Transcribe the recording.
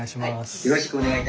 よろしくお願いします。